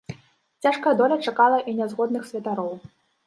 Цяжкая доля чакала і нязгодных святароў.